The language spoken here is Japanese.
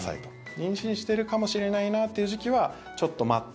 妊娠してるかもしれないなという時期はちょっと待って